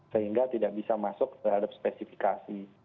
sehingga tidak bisa masuk terhadap spesifikasi